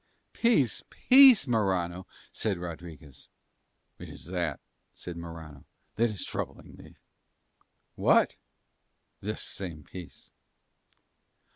"Peace, peace, Morano," said Rodriguez. "It is that," said Morano, "that is troubling me." "What?" "This same peace."